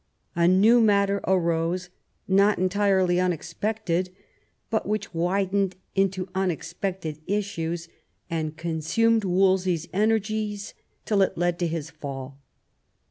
A new matter arose, not entirely unexpected, but which widened into unexpected issues, and consumed Wolsey's energies till it led to his fall.